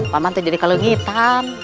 paman jadi kalau hitam